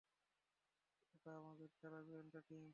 এটা আমাদের সেরা গোয়েন্দা টিম।